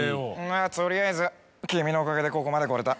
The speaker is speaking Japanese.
「取りあえず君のおかげでここまで来れた」。